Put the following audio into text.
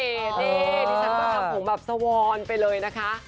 นี่ที่ฉันก็ทำผมแบบสวรรค์ไปเลยนะคะ